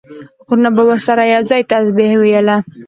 غرونو به ورسره یو ځای تسبیح ویله.